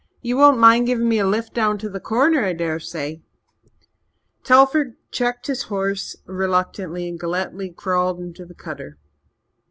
Ye won't mind giving me a lift down to the Corner, I dessay?" Telford checked his horse reluctantly and Galletly crawled into the cutter.